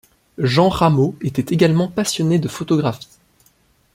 Jean Rameau était également passionné de photographie.